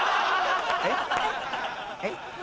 えっ？